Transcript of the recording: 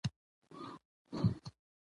مېلې د امید پیغام رسوي، حتی په سختو شرایطو کي.